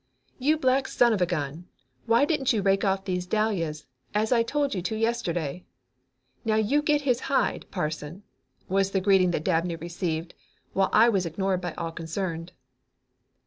"You black son of a gun! Why didn't you rake off these dahlias as I told you to yesterday? Now you get his hide, Parson!" was the greeting that Dabney received, while I was ignored by all concerned.